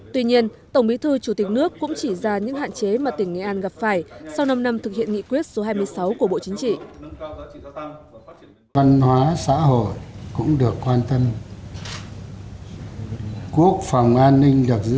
tuy nhiên tổng bí thư chủ tịch nước cũng chỉ ra những hạn chế mà tỉnh nghệ an gặp phải sau năm năm thực hiện nghị quyết số hai mươi sáu của bộ chính trị